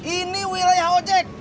ini wilayah ojek